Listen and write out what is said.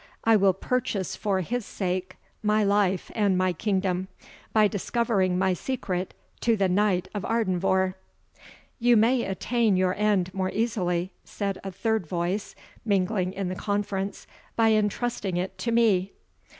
I will purchase for his sake my life and my freedom, by discovering my secret to the Knight of Ardenvohr." "You may attain your end more easily," said a third voice, mingling in the conference, "by entrusting it to me."